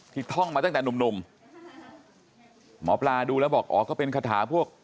ท่องมาตั้งแต่หนุ่มหนุ่มหมอปลาดูแล้วบอกอ๋อก็เป็นคาถาพวก